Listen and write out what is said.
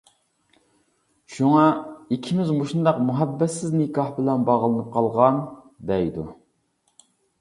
شۇڭا «ئىككىمىز مۇشۇنداق مۇھەببەتسىز نىكاھ بىلەن باغلىنىپ قالغان» دەيدۇ.